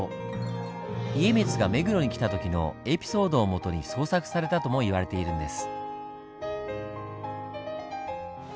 家光が目黒に来た時のエピソードを基に創作されたとも言われているんです。